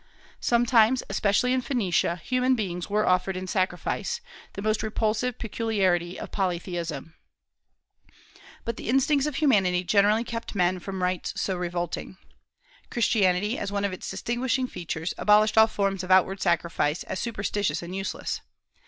Sometimes, especially in Phoenicia, human beings were offered in sacrifice, the most repulsive peculiarity of polytheism. But the instincts of humanity generally kept men from rites so revolting. Christianity, as one of its distinguishing features, abolished all forms of outward sacrifice, as superstitious and useless.